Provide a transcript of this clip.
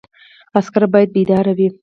عسکر باید بیدار وي